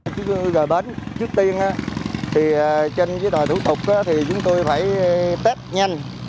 trước tiên trên đòi thủ tục chúng tôi phải test nhanh